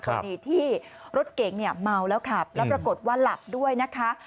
คือในที่รถเก๋งเมาแล้วครับแล้วปรากฏว่าหลับด้วยนะคะ